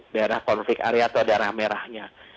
daerah konflik area atau daerah merahnya